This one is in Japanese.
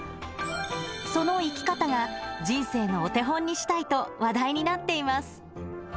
その生き方が、人生のお手本にしたいと話題になっています。